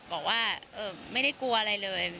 บอกว่าไม่ได้กลัวอะไรเลย